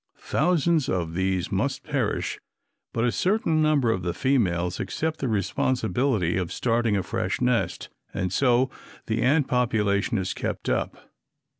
Thousands of these must perish, but a certain number of the females accept the responsibility of starting a fresh nest, and so the ant population is kept up.